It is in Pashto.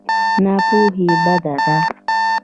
ناپوهي بده ده.